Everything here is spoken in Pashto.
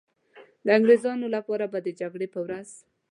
د انګریزانو لپاره به د جګړې په ورځ.